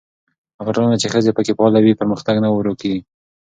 هغه ټولنه چې ښځې پکې فعاله وي، پرمختګ نه ورو کېږي.